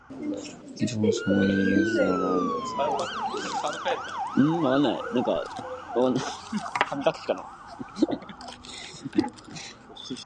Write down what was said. It is also widely used alongside the Israeli shekel in the West Bank.